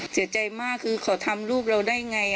เสียใจมากคือเขาทำรูปเราได้ไง